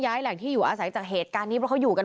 แหล่งที่อยู่อาศัยจากเหตุการณ์นี้เพราะเขาอยู่กัน